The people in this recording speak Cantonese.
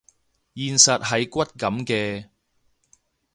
現實係骨感嘅